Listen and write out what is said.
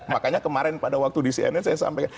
makanya kemarin pada waktu di cnn saya sampaikan